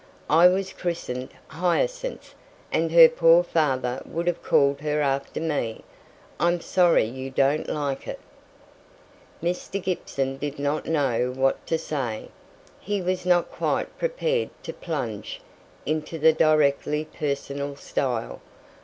"I was christened Hyacinth, and her poor father would have her called after me. I'm sorry you don't like it." Mr. Gibson did not know what to say. He was not quite prepared to plunge into the directly personal style.